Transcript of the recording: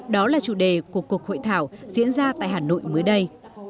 đó là chủ đề của cuộc hội thảo diễn ra tại hà nội mới đây